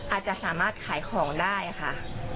อาจจะสามารถขายของได้ค่ะ